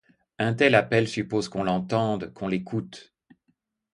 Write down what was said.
Un tel appel suppose qu'on l'entende, qu'on l'écoute.